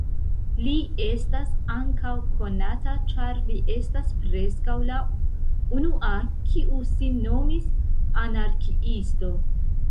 Li estas ankaŭ konata ĉar li estas preskaŭ la unua kiu sin nomis "anarkiisto".